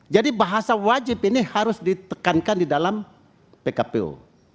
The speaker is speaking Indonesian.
jadi bahasa wajib ini harus ditekankan di dalam pkpu